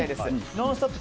「ノンストップ！」